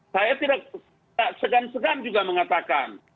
saya tidak segan segan juga mengatakan